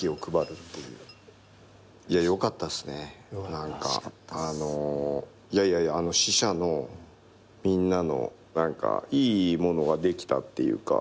何かあのいやいやいやあの試写のみんなの何かいいものができたっていうか。